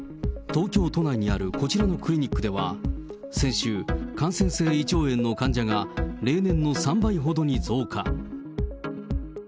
東京都内にあるこちらのクリニックでは、先週、感染性胃腸炎の患者が例年の３倍ほどに増加。